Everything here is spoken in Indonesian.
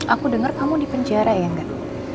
aku denger kamu di penjara ya gak